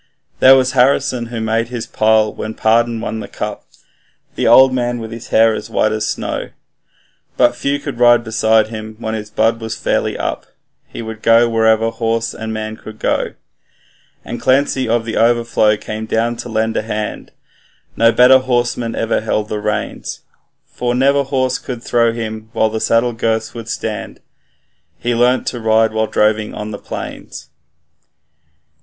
There was Harrison, who made his pile when Pardon won the cup, The old man with his hair as white as snow; But few could ride beside him when his blood was fairly up He would go wherever horse and man could go. And Clancy of the Overflow came down to lend a hand, No better horseman ever held the reins; For never horse could throw him while the saddle girths would stand, He learnt to ride while droving on the plains.